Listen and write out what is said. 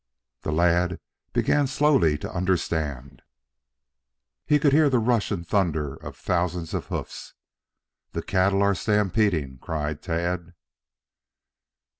The lad began slowly to understand. He could hear the rush and thunder of thousands of hoofs. "The cattle are stampeding!" cried Tad.